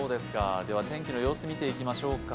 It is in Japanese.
天気の様子を見ていきましょうか。